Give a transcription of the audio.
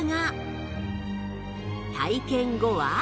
体験後は